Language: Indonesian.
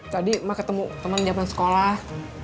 tadi emak ketemu temen zaman sekolah